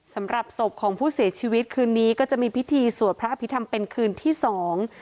สำหรับศพของผู้เสียชีวิตคืนนี้ก็จะมีพิธีสวดพระอภิษฐรรมเป็นคืนที่สอง